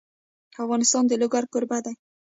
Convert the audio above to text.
افغانستان د لوگر کوربه دی.